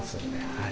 はい。